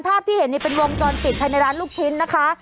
ภาพที่เห็นเป็นวงจรปิดภายในร้านลูกชิ้นนะคะ